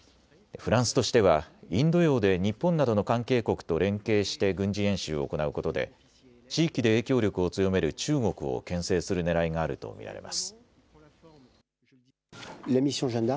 フランスとしてはインド洋で日本などの関係国と連携して軍事演習を行うことで地域で影響力を強める中国をけん制するねらいがあると見られます。